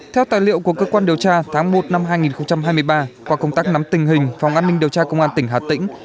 theo tài liệu của cơ quan điều tra tháng một năm hai nghìn hai mươi ba qua công tác nắm tình hình phòng an ninh điều tra công an tỉnh hà tĩnh